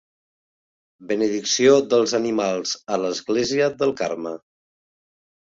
Benedicció dels animals a l'església del Carme.